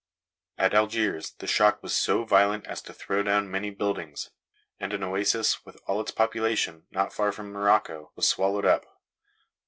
At Algiers the shock was so violent as to throw down many buildings; and an oasis, with all its population, not far from Morocco, was swallowed up.